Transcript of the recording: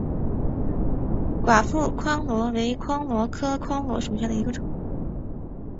寡妇榧螺为榧螺科榧螺属下的一个种。